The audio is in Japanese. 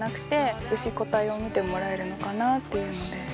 見てもらえるのかなっていうので。